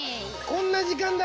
こんな時間だ。